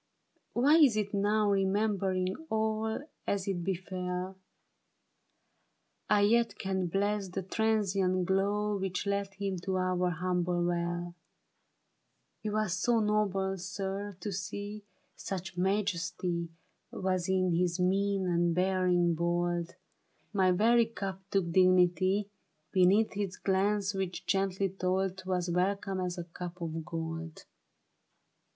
Why is it now. Remembering all as it befell, I yet can bless the transient glow Which led him to our humble well ? He was so noble, sir, to see ; Such majesty Was in his mien and bearing bold : My very cup took dignity Beneath his glance which gently told 'Twas welcome as a cup of gold.